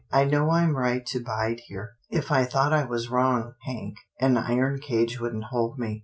" I know I'm right to bide here. If I thought I was wrong, Hank, an iron cage wouldn't hold me."